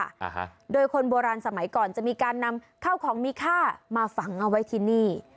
อ่าฮะโดยคนโบราณสมัยก่อนจะมีการนำเข้าของมีค่ามาฝังเอาไว้ที่นี่